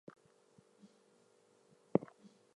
The Longford county colours are royal blue and gold.